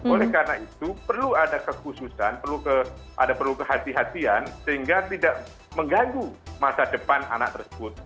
oleh karena itu perlu ada kekhususan ada perlu kehatian sehingga tidak mengganggu masa depan anak tersebut